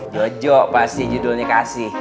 jojo pasti judulnya kasih